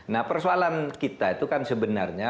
nah persoalan kita itu kan sebenarnya